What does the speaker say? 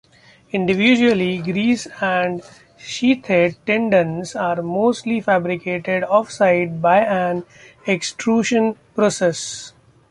Individually greased-and-sheathed tendons are mostly fabricated off-site by an extrusion process.